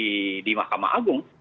di di di mahkamah agung